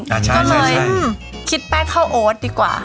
ก็เลยคิดแป้งข้าวโอ๊ตดีกว่า